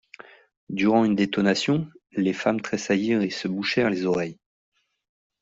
Durant une détonation, les femmes tressaillirent et se bouchèrent les oreilles.